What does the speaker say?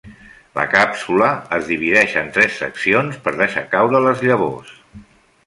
La càpsula es divideix en tres seccions per deixar caure les llavors.